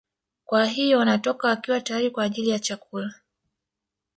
Kwa hiyo wanatoka wakiwa tayari kwa ajili ya chakula